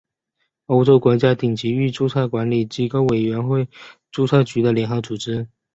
欧洲国家顶级域注册管理机构委员会注册局的联合组织。